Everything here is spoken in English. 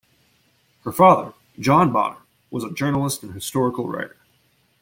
Her father, John Bonner was a journalist and historical writer.